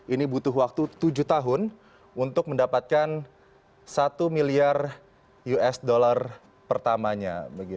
ini butuh waktu tujuh tahun untuk mendapatkan satu miliar usd pertamanya